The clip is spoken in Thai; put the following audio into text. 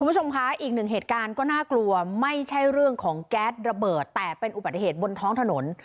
คุณผู้ชมคะอีกหนึ่งเหตุการณ์ก็น่ากลัวไม่ใช่เรื่องของแก๊สระเบิดแต่เป็นอุบัติเหตุบนท้องถนน